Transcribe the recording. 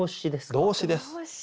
動詞です。